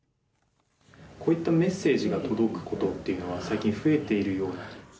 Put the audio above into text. こういったメッセージが届くことは最近増えているようです。